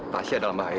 tasya dalam bahaya